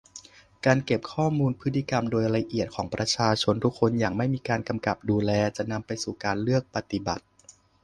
การเก็บข้อมูลพฤติกรรมโดยละเอียดของประชาชนทุกคนอย่างไม่มีการกำกับดูแล จะนำไปสู่การเลือกปฏิบัติ